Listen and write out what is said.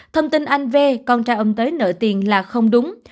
thông tin anh vê con trai ông tới nợ tiền là không đúng